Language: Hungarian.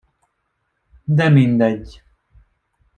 De mindegy.